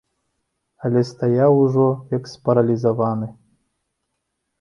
Але стаяў ужо, як спаралізаваны.